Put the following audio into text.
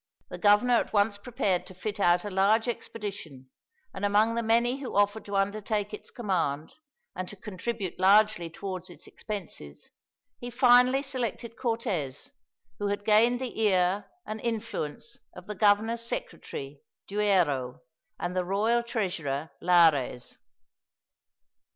The governor at once prepared to fit out a large expedition, and among the many who offered to undertake its command, and to contribute largely towards its expenses, he finally selected Cortez, who had gained the ear and influence of the governor's secretary, Duero, and the royal treasurer, Lares.